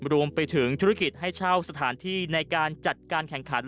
รวมไปถึงธุรกิจให้เช่าสถานที่ในการจัดการแข่งขัน